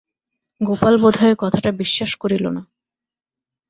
গোপাল বোধহয় কথাটা বিশ্বাস করিল না।